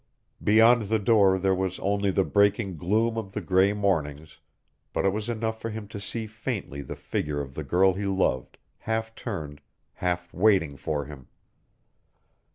Beyond the door there was only the breaking gloom of the gray mornings but it was enough for him to see faintly the figure of the girl he loved, half turned, half waiting for him.